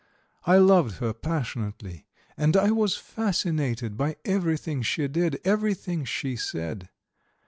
I loved her passionately, and I was fascinated by everything she did, everything she said.